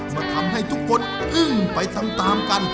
มาทำให้ทุกคนอึ้งไปตามกัน